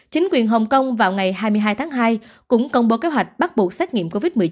chính quyền hồng kông vào ngày hai mươi hai tháng hai cũng công bố kế hoạch bắt buộc xét nghiệm covid một mươi chín